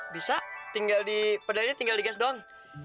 bisa tinggal di pada ini tinggal diges doang